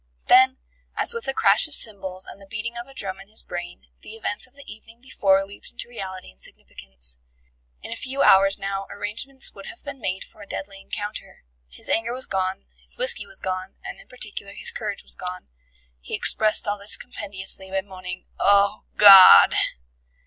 Then, as with a crash of cymbals and the beating of a drum in his brain, the events of the evening before leaped into reality and significance. In a few hours now arrangements would have been made for a deadly encounter. His anger was gone, his whisky was gone, and in particular his courage was gone. He expressed all this compendiously by moaning "Oh, God!"